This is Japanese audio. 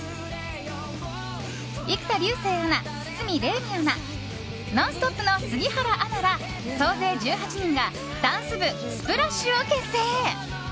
生田竜聖アナ、堤礼実アナ「ノンストップ！」の杉原アナら総勢１８人がダンス部ＳＰＬＡＳＨ！を結成。